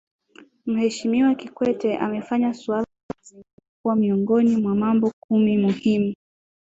Mheshimiwa Kikwete amefanya suala la mazingira kuwa miongoni mwa mambo kumi muhimu